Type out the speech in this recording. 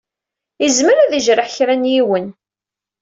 Izmer ad d-ijreḥ kra n yiwen.